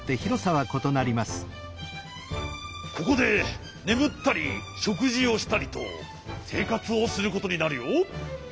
ここでねむったりしょくじをしたりとせいかつをすることになるよ。